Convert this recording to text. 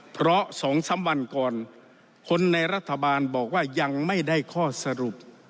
เพราะ๒๓วันก่อนคนในรัฐบาลบอกว่ายังไม่ได้ข้อสรุป